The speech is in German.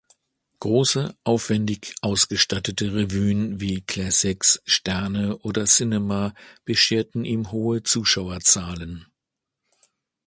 Große, aufwändig ausgestattete Revuen wie "Classics", "Sterne" oder "Cinema" bescherten ihm hohe Zuschauerzahlen.